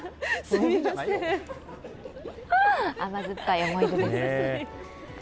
甘酸っぱい思い出です。